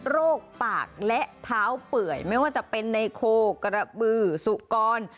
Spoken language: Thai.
โรคปากและเท้าเปื่อยไม่ว่าจะเป็นไนโคกระบือสุกร